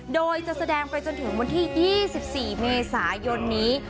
โดยจะแสดงไปจนถึงวันที่๒๔เมษายนนี้